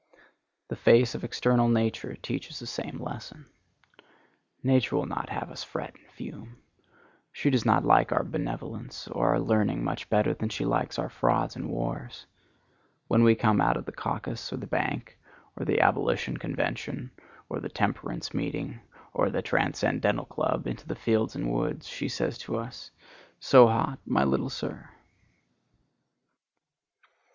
The face of external nature teaches the same lesson. Nature will not have us fret and fume. She does not like our benevolence or our learning much better than she likes our frauds and wars. When we come out of the caucus, or the bank, or the Abolition convention, or the Temperance meeting, or the Transcendental club into the fields and woods, she says to us, 'So hot? my little Sir.